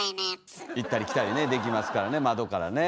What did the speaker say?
行ったり来たりねできますからね窓からね。